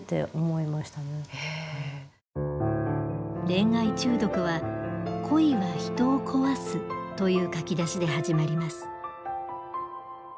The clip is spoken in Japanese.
「恋愛中毒」は「恋は人を壊す」という書き出しで始まります。